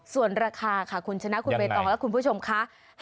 ส่วนราคาค่ะคุณชนะคุณใบตองและคุณผู้ชมค่ะ